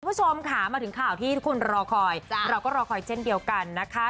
คุณผู้ชมค่ะมาถึงข่าวที่ทุกคนรอคอยเราก็รอคอยเช่นเดียวกันนะคะ